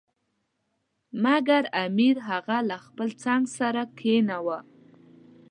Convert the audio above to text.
مګر امیر هغه له خپل څنګ سره کښېناوه.